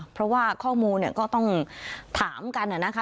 เพราะว่าข้อมูลเนี่ยก็ต้องถามกันนะคะ